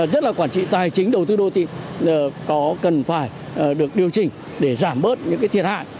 tức là quản trị tài chính đầu tư đô thị có cần phải được điều chỉnh để giảm bớt những cái thiệt hại